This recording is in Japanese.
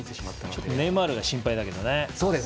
ちょっとネイマールが心配だけどね。